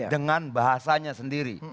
dengan bahasanya sendiri